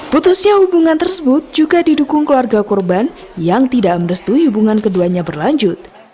putusnya hubungan tersebut juga didukung keluarga korban yang tidak mendestui hubungan keduanya berlanjut